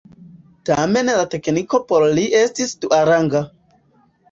Tamen la tekniko por li estis duaranga.